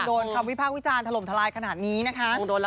โดนความวิภาควิจารณ์ถล่มทรายขนาดนี้นะค่ะ